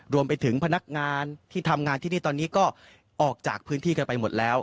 รวมไปถึงพนักงานที่ทำงานที่นี่ตอนนี้ก็ออกจากพื้นที่กันไปหมดแล้ว